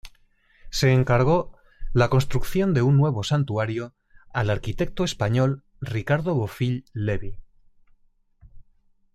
Se encargó la construcción de un nuevo santuario al arquitecto español Ricardo Bofill Levi.